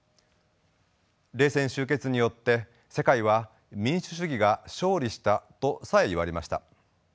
冷戦終結によって世界は民主主義が勝利したとさえいわれました。